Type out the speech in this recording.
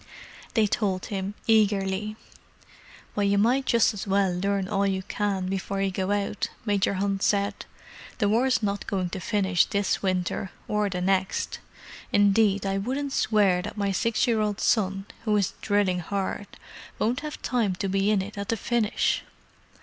They told him, eagerly. "Well, you might just as well learn all you can before you go out," Major Hunt said. "The war's not going to finish this winter, or the next. Indeed, I wouldn't swear that my six year old son, who is drilling hard, won't have time to be in at the finish!"